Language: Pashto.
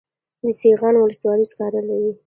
د سیغان ولسوالۍ سکاره لري